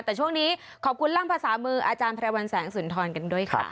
แต่ช่วงนี้ขอบคุณล่างภาษามืออาจารย์พระวันแสงสุนทรกันด้วยค่ะ